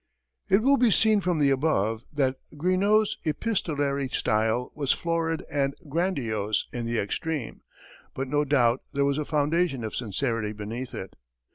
It will be seen from the above that Greenough's epistolary style was florid and grandiose in the extreme, but no doubt there was a foundation of sincerity beneath it.